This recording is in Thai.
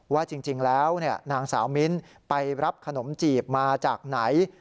ว่าจริงแล้วนางสาวมิ้นไปรับขนมจีบมาจากไหน